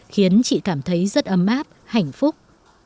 khiến chị cảm thấy rất ấm áp hạnh phúc